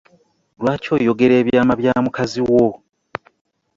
Lwaki oyogera ebyaama bya mukazi wo?